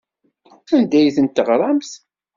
Anda ay ten-teɣramt?